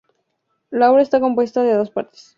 La obra está compuesta de dos partes.